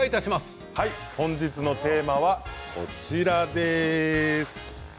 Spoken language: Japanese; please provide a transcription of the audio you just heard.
本日のテーマはこちらです。